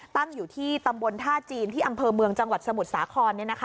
ตั้งอยู่ที่ตำบลท่าจีนที่อำเภอเมืองจังหวัดสมุทรสาคร